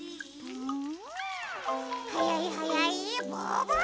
はやいはやいブーブー！